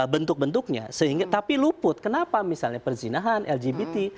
bentuk bentuknya sehingga tapi luput kenapa misalnya perzinahan lgbt